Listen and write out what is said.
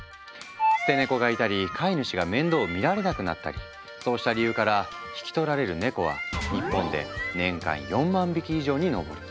捨て猫がいたり飼い主が面倒を見られなくなったりそうした理由から引き取られるネコは日本で年間４万匹以上に上る。